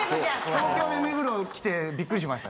東京で目黒来てびっくりしました